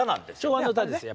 昭和の歌ですよ。